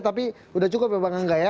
tapi sudah cukup ya bang anggaya